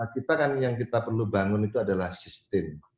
kita kan yang kita perlu bangun itu adalah sistem